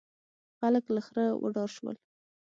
خلک له خره وډار شول.